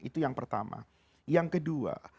itu yang pertama yang kedua